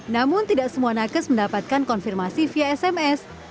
namun tidak semua nakes mendapatkan konfirmasi via sms